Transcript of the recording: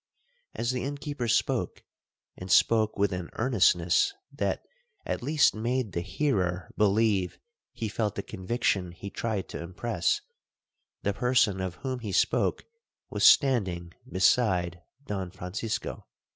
'As the innkeeper spoke, and spoke with an earnestness that at least made the hearer believe he felt the conviction he tried to impress, the person of whom he spoke was standing beside Don Francisco.